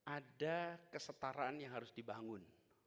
ada kesetaraan yang harus dibangun